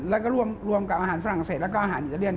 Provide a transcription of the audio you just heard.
แล้วก็รวมกับอาหารฝรั่งเศสแล้วก็อาหารอิตาเลียน